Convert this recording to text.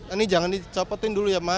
ini jangan dicopetin dulu ya mas